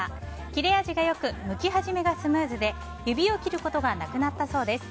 切れ味がよく剥き始めがスムーズで指を切ることがなくなったそうです。